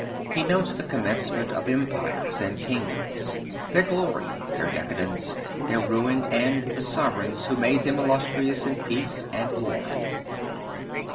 He notes the commencement of Empires and Kingdoms, their glory, their decadence, their ruin, and the Sovereigns who made them illustrious in peace and war.